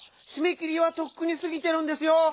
しめきりはとっくにすぎてるんですよ！